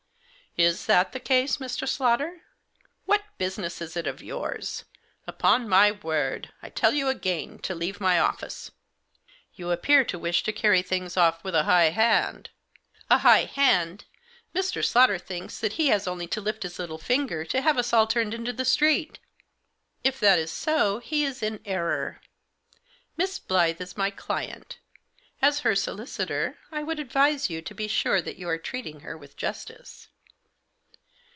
" Is that the case, Mr. Slaughter ?"" What business is it of yours ? Upon my word ! I tell you again to leave my office." "You appear to wish to carry things off with a high hand." " A high hand ! Mr. Slaughter thinks that he has only to lift his little finger to have us all turned into the street." " If that is so, he is in error. Miss Blyth is my client As her solicitor I would advise you to be sure that you are treating her with justice."